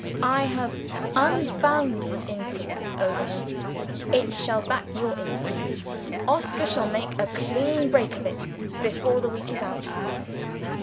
I have unbounded influence over him. It shall back your influence. Oscar shall make a clean breast of it, before the week is out."